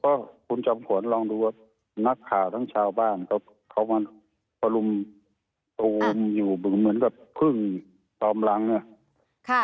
ก็คุณจอมขวัญลองดูว่านักข่าวทั้งชาวบ้านเขามาประลุมตูมอยู่เหมือนกับพึ่งตอมรังเนี่ย